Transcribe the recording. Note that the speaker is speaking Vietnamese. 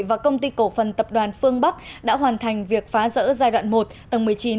và công ty cổ phần tập đoàn phương bắc đã hoàn thành việc phá rỡ giai đoạn một tầng một mươi chín